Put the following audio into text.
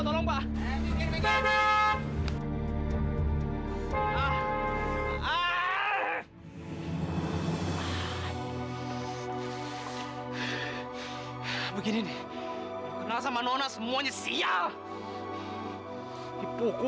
dengan tangan lanes atau tangan jauh